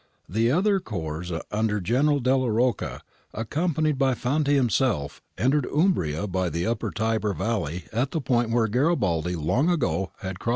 ^ The other corps under General Delia Rocca, accompanied by Fanti himself, entered Umbria by the upper Tiber valley at the point where Garibaldi long ago had crossed ^Garibaldi and the Thousand, pp.